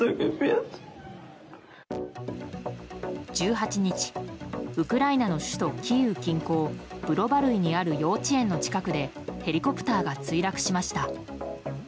１８日ウクライナの首都キーウ近郊ブロバルイにある幼稚園の近くでヘリコプターが墜落しました。